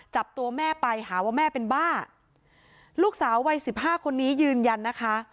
จับตัวแม่ไปหาว่าแม่เป็นบ้าลูกสาววัยสิบห้าคนนี้ยืนยันนะคะ